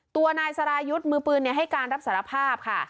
ตัวนายสรายุทธ์มือปืนให้การรับสารภาพค่ะ